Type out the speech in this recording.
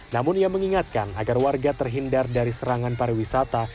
namun ia mengingatkan agar warga terhindar dari serangan pariwisata